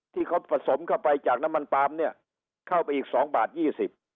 ที่เขาผสมเข้าไปจากน้ำมันปลามเนี่ยเข้าไปอีกสองบาทยี่สิบ